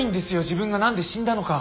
自分が何で死んだのか。